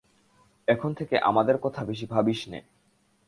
এখন থেকে আমাদের কথা বেশি ভাবিস নে।